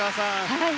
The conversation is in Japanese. はい。